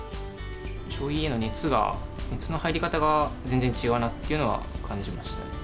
将棋への熱が、熱の入り方が全然違うなっていうのは感じましたね。